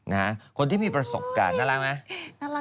นะคนที่มีประสบการณ์น่ารักไหม